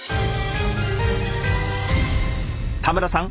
田村さん